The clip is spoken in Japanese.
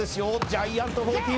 ジャイアント１４